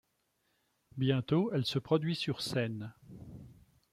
Bientôt, elle se produit sur scène.